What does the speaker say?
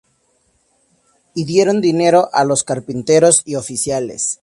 Y dieron dinero á los carpinteros y oficiales;